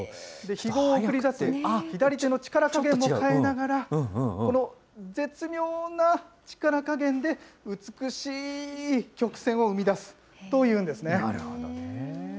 ひごを送り出す左手の力加減を変えながら、この絶妙な力加減で、美しい曲線を生み出すということなんですね。